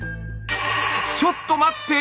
ちょっと待って！